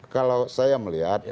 kalau saya melihat